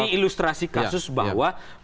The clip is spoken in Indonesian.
ini ilustrasi kasus bahwa